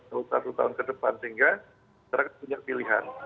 dalam satu tahun ke depan sehingga kita punya pilihan